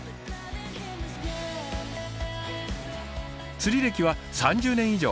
釣り歴は３０年以上。